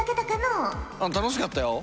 うん楽しかったよ。